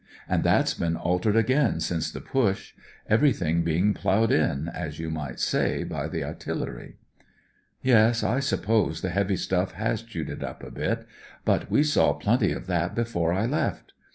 And that's been altered again since the Push ; every thing being ploughed in, as you might say, by the a'tillery/' Yes, I suppose the heavy stuff has chewed it up a bit ; but we saw plenty of that before I left.